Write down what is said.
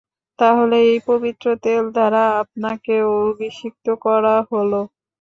তাহলে এই পবিত্র তেল দ্বারা আপনাকে অভিষিক্ত করা হলো।